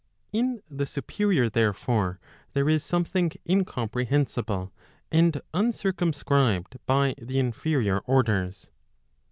In the superior therefore, there is something incomprehensible and uncircurnscribed by the inferior orders.